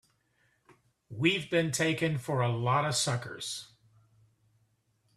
We've been taken for a lot of suckers!